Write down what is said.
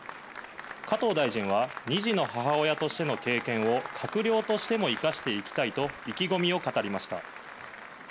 加藤大臣は２児の母親としての経験を閣僚としても生かしていきたいと意気込みを語りました。